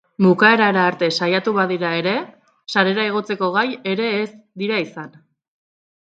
Bukaerara arte saiatu badira ere, sarera igotzeko gai ere ez dira izan.